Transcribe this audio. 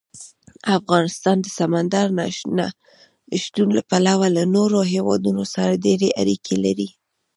افغانستان د سمندر نه شتون له پلوه له نورو هېوادونو سره ډېرې اړیکې لري.